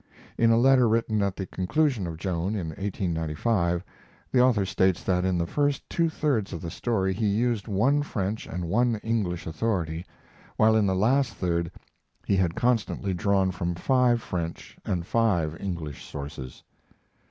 In a letter written at the conclusion of "Joan" in 1895, the author states that in the first two thirds of the story he used one French and one English authority, while in the last third he had constantly drawn from five French and five English sources.